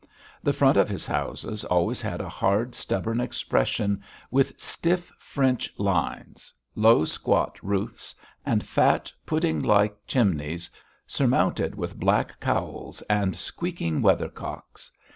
The front of his houses always had a hard, stubborn expression, with stiff, French lines, low, squat roofs, and fat, pudding like chimneys surmounted with black cowls and squeaking weathercocks.